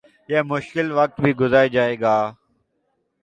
یہ مشکل وقت بھی گزر جائے گا